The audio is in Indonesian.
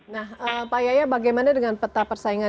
nah pak yaya bagaimana dengan peta persaingan